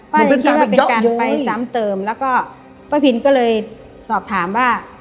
มันเป็นการไปเยอะเย้ยป้าพินก็เลยสอบถามว่า